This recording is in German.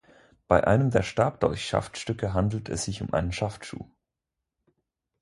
Bei einem der Stabdolchschaftstücke handelt es sich um einen Schaftschuh.